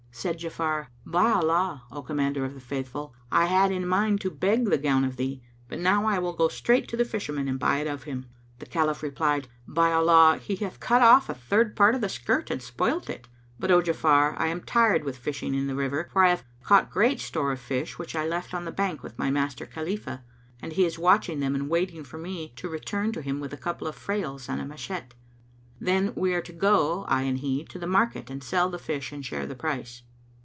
Said Ja'afar, "By Allah, O Commander of the Faithful, I had it in mind to beg the gown of thee; but now I will go straight to the Fisherman and buy it of him." The Caliph replied, "By Allah, he hath cut off a third part of the skirt and spoilt it! But, O Ja'afar, I am tired with fishing in the river, for I have caught great store of fish which I left on the bank with my master Khalifah, and he is watching them and waiting for me to return to him with a couple of frails and a matchet. [FN#224] Then we are to go, I and he, to the market and sell the fish and share the price."